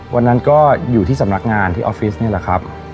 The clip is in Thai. วันนั้นก็อยู่ที่สำนักงานที่ออฟฟิศนี่แหละครับ